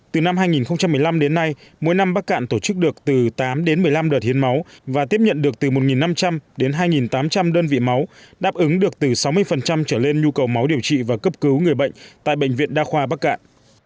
từ năm hai nghìn một mươi năm đến nay mỗi năm bắc cạn tổ chức được từ tám đến một mươi năm đợt hiến máu và tiếp nhận được từ một năm trăm linh đến hai tám trăm linh đơn vị máu đáp ứng được từ sáu mươi trở lên nhu cầu máu điều trị và cấp cứu người bệnh tại bệnh viện đa khoa bắc cạn